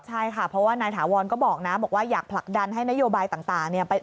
ใช่ค่ะเพราะว่านายถาวรก็บอกนะบอกว่าอยากผลักดันให้นโยบายต่างเนี่ย